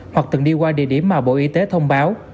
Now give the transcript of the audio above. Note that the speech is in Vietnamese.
hoặc từng đi qua địa điểm mà bộ y tế thông báo